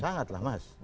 sangat lah mas